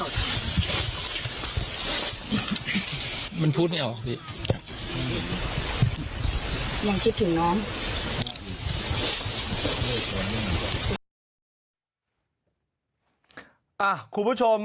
พบสุดที่พบศพน้อง